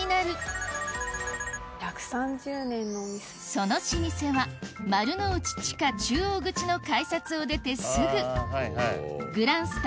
その老舗は丸の内地下中央口の改札を出てすぐグランスタ